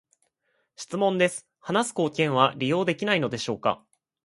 質問です、話す貢献は利用できないのでしょうか？